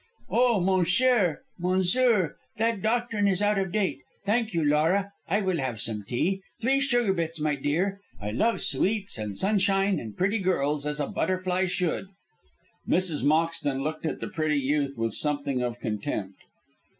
"Oh, mon cher monsieur, that doctrine is out of date. Thank you, Laura. I will have some tea. Three sugar bits, my dear. I love sweets, and sunshine, and pretty girls as a butterfly should." Mrs. Moxton looked at the pretty youth with something of contempt.